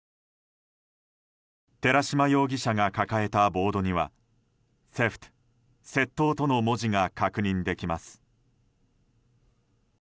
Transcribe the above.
寺島容疑者が抱えたボードには「ＴＨＥＦＴ＝窃盗」との文字が確認できます。